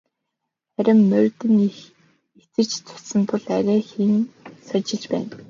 Харин морьд нь их эцэж цуцсан тул арайхийн сажилж байна.